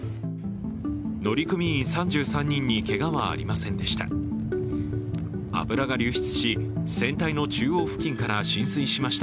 乗組員３３人に、けがはありませんでした。